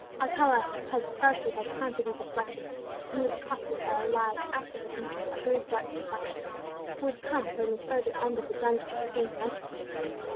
Alcala had scarcely had time for these reflections, when he was accosted by a lithe, active looking man of very dark complexion, who had come from the further end of the dungeon on seeing him enter.